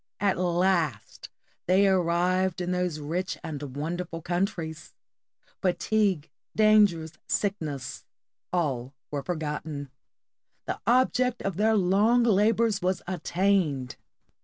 At last they arrived in those rich and wonderful countries. Fatigue, dangers, sickness, all were forgotten. The object of their long labors was attained